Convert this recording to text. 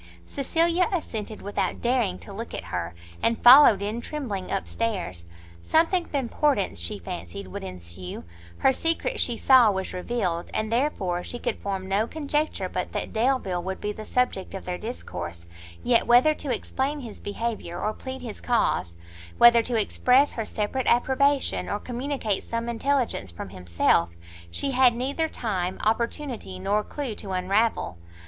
Cecilia assented without daring to look at her, and followed in trembling, up stairs. Something of importance, she fancied, would ensue, her secret she saw was revealed, and therefore she could form no conjecture but that Delvile would be the subject of their discourse yet whether to explain his behaviour, or plead his cause, whether to express her separate approbation, or communicate some intelligence from himself, she had neither time, opportunity nor clue to unravel.